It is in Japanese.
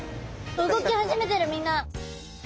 動き始めてるみんな！